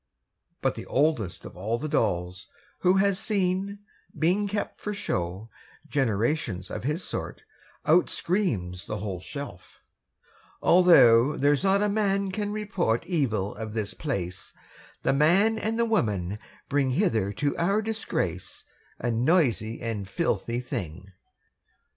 But the oldest of all the dolls Who had seen, being kept for show, Generations of his sort, Out screams the whole shelf: 'Although There's not a man can report Evil of this place, The man and the woman bring Hither to our disgrace, A noisy and filthy thing.'